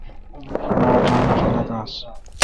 باڑ ران اؘ خلق آس ۔